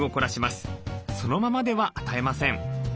そのままでは与えません。